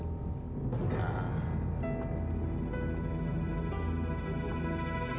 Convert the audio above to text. enggak enggak enggak